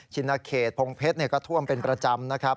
ชินเขตพงเพชรก็ท่วมเป็นประจำนะครับ